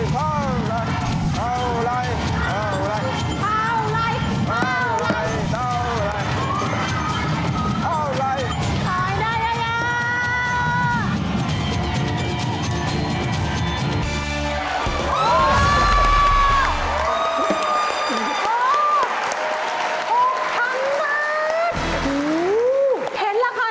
โต๊ะนี่มันมีหลายสิ่งหลายอย่าง